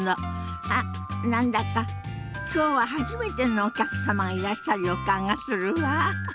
あっ何だか今日は初めてのお客様がいらっしゃる予感がするわ。